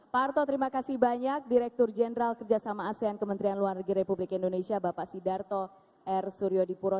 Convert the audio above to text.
pak arto terima kasih banyak direktur jenderal kerjasama asean kementerian luar negeri republik indonesia bapak sidarto r suryo dipuro